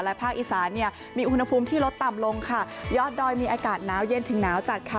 ภาคอีสานเนี่ยมีอุณหภูมิที่ลดต่ำลงค่ะยอดดอยมีอากาศหนาวเย็นถึงหนาวจัดค่ะ